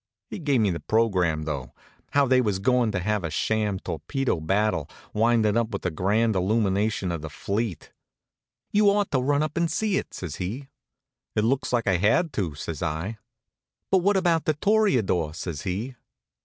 He gave me the program, though; how they was goin' to have a sham torpedo battle, windin' up with a grand illumination of the fleet. "You ought to run up and see it," says he. "It looks like I had to," says I. "But what about The Toreador?" says he.